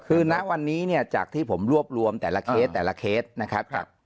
คือนักวันนี้จากที่ผมรวบรวมแต่ละเคสนะครับ